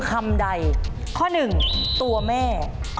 กลับที่ข้อสองแม่